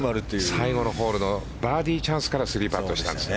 最後のホールのバーディーチャンスから３パットですからね。